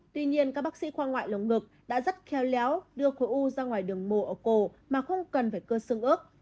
tuy nhiên các bác sĩ khoa ngoại lồng ngực đã rất khéo léo đưa khối u ra ngoài đường mổ ở cổ mà không cần phải cơ xương ức